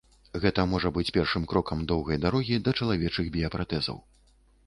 Гэта можа быць першым крокам доўгай дарогі да чалавечых біяпратэзаў.